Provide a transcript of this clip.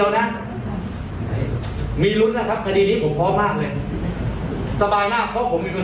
และก็พูดนี่ชอบแบบได้เลย